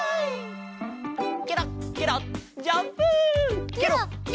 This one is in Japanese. ケロッケロッジャンプ！